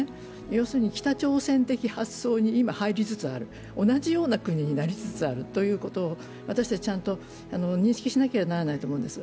要するに北朝鮮的発想に今、入りつつある、同じような国になりつつあるということを私たちはちゃんと認識しなきゃいけないと思うんです。